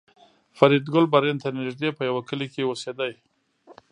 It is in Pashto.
فریدګل برلین ته نږدې په یوه کلي کې اوسېده